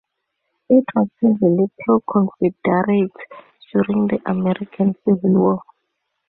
It was heavily pro-Confederate during the American Civil War.